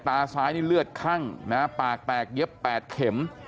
ตาซ้ายนี่เลือดคั่งนะฮะปากแตกเย็บ๘เข็ม